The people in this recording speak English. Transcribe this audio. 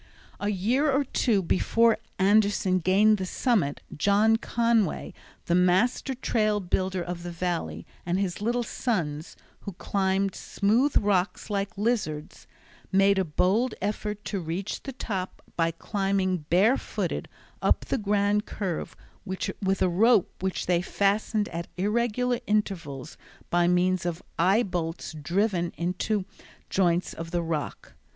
A year or two before Anderson gained the summit, John Conway, the master trail builder of the Valley, and his little sons, who climbed smooth rocks like lizards, made a bold effort to reach the top by climbing barefooted up the grand curve with a rope which they fastened at irregular intervals by means of eye bolts driven into joints of the rock.